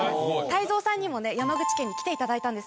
泰造さんにもね山口県に来て頂いたんです。